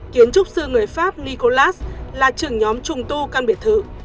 kiến trúc sư người pháp nicolas là trưởng nhóm trùng tu căn biệt thự